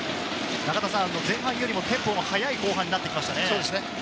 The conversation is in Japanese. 前半よりもテンポの速い後半になってきましたね。